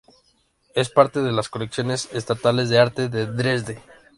Es parte de las Colecciones Estatales de Arte de Dresde.